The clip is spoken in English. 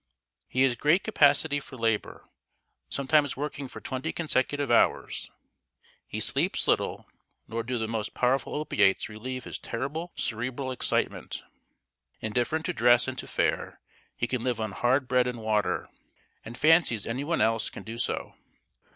He has great capacity for labor sometimes working for twenty consecutive hours. He sleeps little, nor do the most powerful opiates relieve his terrible cerebral excitement. Indifferent to dress and to fare, he can live on hard bread and water, and fancies any one else can do so.